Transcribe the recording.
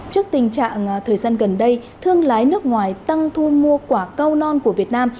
trước tình trạng thời gian gần đây thương lái nước ngoài tăng thu mua quả cao non của việt nam